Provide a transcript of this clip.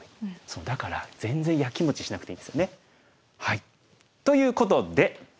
そうだから全然やきもちしなくていいんですよね。ということで。